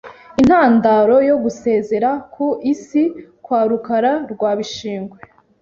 Intandaro yo gusezera ku isi kwa Rukara rwa Bishingwe,